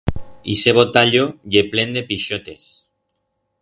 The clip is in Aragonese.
Ixe botallo ye plen de pixotes.